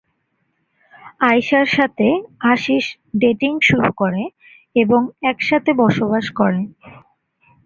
আয়েশার সাথে আশিষ ডেটিং শুরু করে এবং একসাথে বসবাস করে।